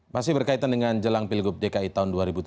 masih berkaitan dengan jelang pilgub dki tahun dua ribu tujuh belas